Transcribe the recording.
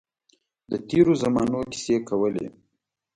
د تېرو زمانو کیسې کولې.